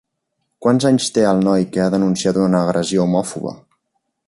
Quants anys té el noi que ha denunciat una agressió homòfoba?